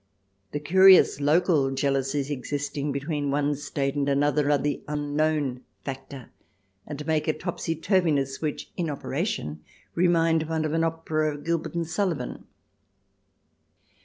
The curious local jealousies existing between one State and another are the unknown factor, and make a topsy turveyness which in operation remind one of an opera of Gilbert and Sullivan.